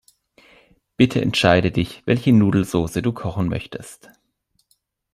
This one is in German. Bitte entscheide dich, welche Nudelsoße du kochen möchtest.